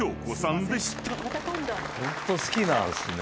ホント好きなんすね。